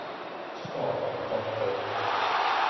趖目抹刀